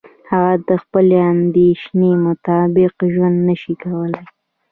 هغه د خپلې اندیشې مطابق ژوند نشي کولای.